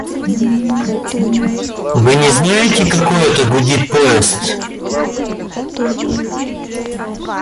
– Вы не знаете, какой это гудит поезд?